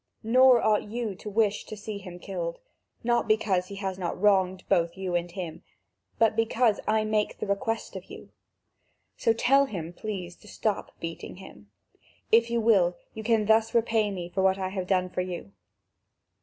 Nor ought you to wish to see him killed; not because he has not wronged both you and him, but because I make the request of you: so tell him, please, to stop beating him. If you will, you can thus repay me for what I have done for you."